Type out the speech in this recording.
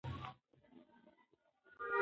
د اوبو ضایع کول د چاپیریال لپاره تاوان دی.